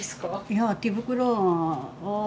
いや手袋。